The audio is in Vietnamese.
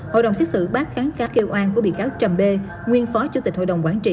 hội đồng xét xử bác kháng cáo kêu an của bị cáo trầm bê nguyên phó chủ tịch hội đồng quản trị